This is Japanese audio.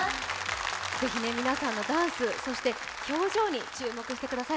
ぜひ皆さんのダンス、表情に注目してみてください。